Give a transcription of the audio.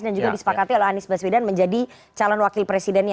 dan juga disepakati oleh anies baswedan menjadi calon wakil presidennya